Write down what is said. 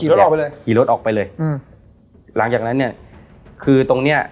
รถออกไปเลยขี่รถออกไปเลยอืมหลังจากนั้นเนี้ยคือตรงเนี้ย